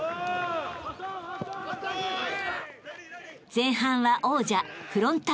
［前半は王者フロンターレペース］